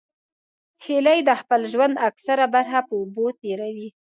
هیلۍ د خپل ژوند اکثره برخه په اوبو تېروي